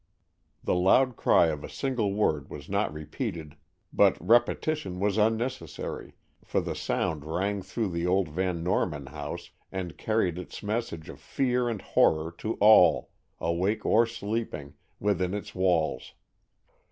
The loud cry of a single word was not repeated, but repetition was unnecessary, for the sound rang through the old Van Norman house, and carried its message of fear and horror to all, awake or sleeping, within its walls.